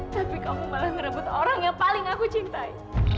tapi kamu malah merebut orang yang paling aku cintai